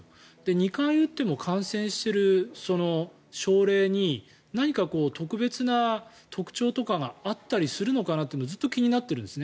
２回打っても感染している症例に何か、特別な特徴とかがあったりするのかなというのがずっと気になってるんですね。